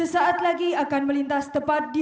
yang kami cintai